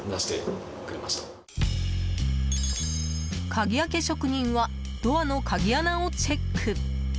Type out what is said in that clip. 鍵開け職人はドアの鍵穴をチェック。